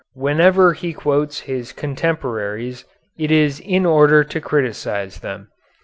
Whenever he quotes his contemporaries it is in order to criticise them.